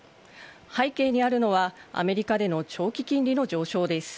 背景にあるのはアメリカでの長期金利の上昇です。